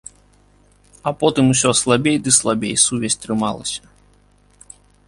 А потым усё слабей ды слабей сувязь трымалася.